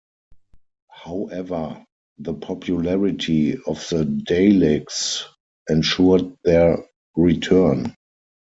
However, the popularity of the Daleks ensured their return.